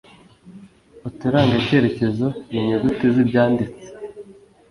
Uturangacyerekezo n'inyuguti z'ibyanditse